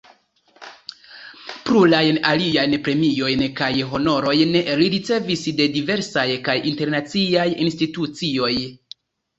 Plurajn aliajn premiojn kaj honorojn li ricevis de diversaj kaj internaciaj institucioj.